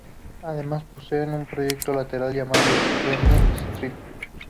Además poseen un proyecto lateral llamado "Extended Spirit".